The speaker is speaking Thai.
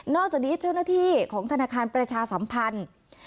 นอกจากนี้ชนที่ของธนาคารประชาสัมพันธ์